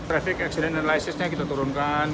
traffic accident analysis nya kita turunkan